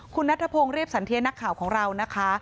คุณนัทพงศ์เรียบสันเทียนักข่าวของเรานะคะ